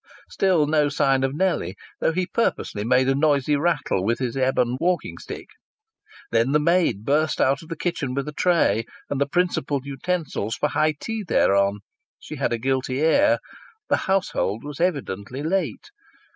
Still no sign of Nellie, though he purposely made a noisy rattle with his ebon walking stick. Then the maid burst out of the kitchen with a tray and the principal utensils for high tea thereon. She had a guilty air. The household was evidently late.